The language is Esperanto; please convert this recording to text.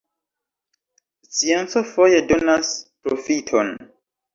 Scienco foje donas proﬁton.